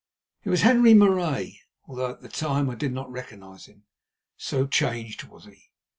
It was Henri Marais, although at the time I did not recognise him, so changed was he.